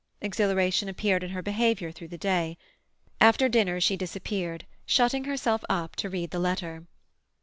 Exhilaration appeared in her behaviour through the day. After dinner she disappeared, shutting herself up to read the letter.